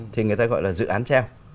thì người ta gọi là dự án treo